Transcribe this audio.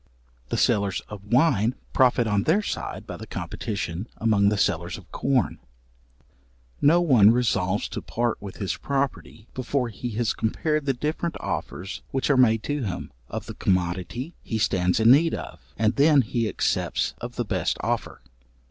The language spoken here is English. The sellers of wine profit on their side by the competition among the sellers of corn. No one resolves to part with his property, before he has compared the different offers which are made to him, of the commodity he stands in need of, and then he accepts of the best offer.